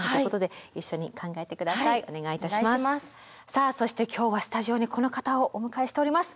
さあそして今日はスタジオにこの方をお迎えしております。